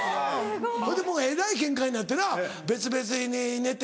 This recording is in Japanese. それでもうえらいケンカになってな別々に寝て。